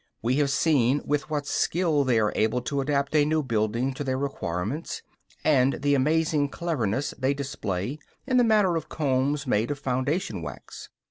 We have seen with what skill they are able to adapt a new building to their requirements, and the amazing cleverness they display in the matter of combs made of foundation wax.